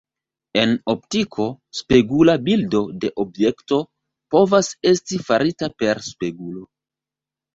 En optiko, spegula bildo de objekto povas esti farita per spegulo.